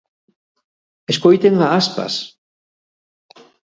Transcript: Escoiten a Aspas.